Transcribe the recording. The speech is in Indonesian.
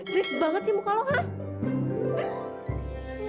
jelek banget sih muka lo hah